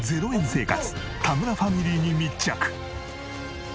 生活田村ファミリーに密着。